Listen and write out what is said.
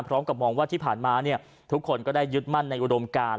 พร้อมกับมองว่าที่ผ่านมาทุกคนก็ได้ยึดมั่นในอุดมการ